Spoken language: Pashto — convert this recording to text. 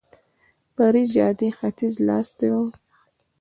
فرعي جادې ختیځ لاس ته وه.